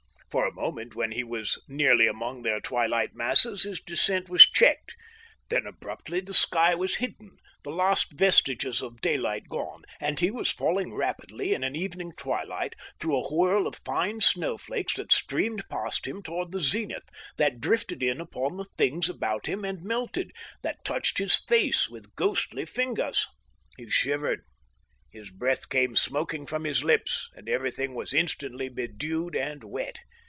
For a moment, when he was nearly among their twilight masses, his descent was checked. Then abruptly the sky was hidden, the last vestiges of daylight gone, and he was falling rapidly in an evening twilight through a whirl of fine snowflakes that streamed past him towards the zenith, that drifted in upon the things about him and melted, that touched his face with ghostly fingers. He shivered. His breath came smoking from his lips, and everything was instantly bedewed and wet.